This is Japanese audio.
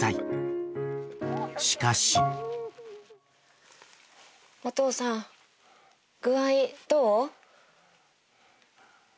［しかし］お父さん具合どう？